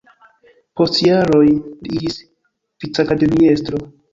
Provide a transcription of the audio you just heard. Post jaroj li iĝis vicakademiestro.